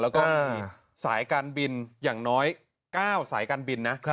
แล้วก็มีสายการบินอย่างน้อย๙สายการบินนะ